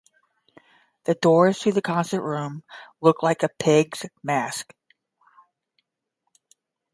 The doors to the concert room look like a pig mask